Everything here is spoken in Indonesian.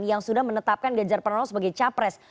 yang sudah menetapkan gajar perno sebagai capres